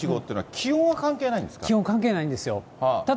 気温関係ないんですよ、ただ。